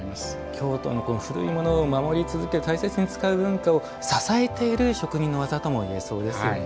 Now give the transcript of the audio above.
京都の古いものを守り続ける大切に使う文化を支えている職人の技とも言えそうですよね。